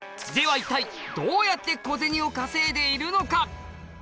では一体、どうやって小銭を稼いでいるのか。